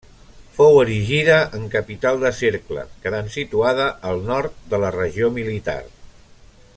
Fou erigida en capital de cercle, quedant situada al nord de la regió militar.